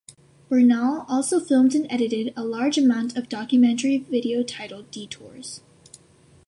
Bernal also filmed and edited a large amount of the documentary video titled Detours.